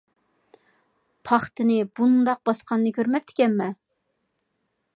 پاختىنى بۇنداق باسقاننى كۆرمەپتىكەنمەن.